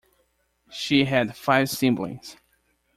She had five siblings.